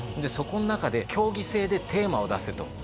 そこの中で協議制でテーマを出せと。